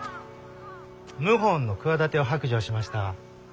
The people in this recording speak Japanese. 謀反の企てを白状しましたわ。